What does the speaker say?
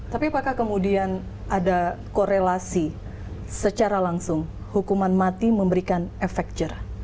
tapi apakah kemudian ada korelasi secara langsung hukuman mati memberikan efek jerah